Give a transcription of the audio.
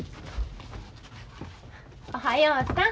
おはようさん。